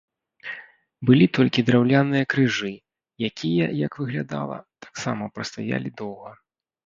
Былі толькі драўляныя крыжы, якія, як выглядала, таксама прастаялі доўга.